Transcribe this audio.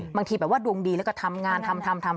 บางทีแบบว่าดวงดีแล้วก็ทำงานทำทำ